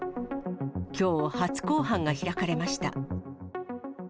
きょう、初公判が開かれました。